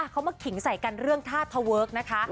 เขามาขิงใส่กันเรื่องท่าทะเวิร์คนะคะ